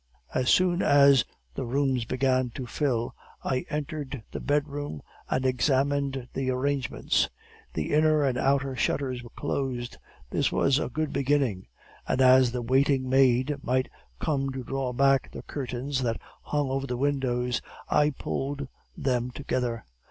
"As soon as the rooms began to fill, I entered the bedroom and examined the arrangements. The inner and outer shutters were closed; this was a good beginning; and as the waiting maid might come to draw back the curtains that hung over the windows, I pulled them together.